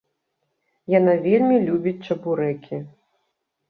Яна вельмі любіць чабурэкі.